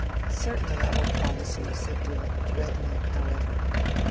"Certainly, I will promise you," said Will, reddening however.